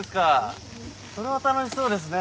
それは楽しそうですね。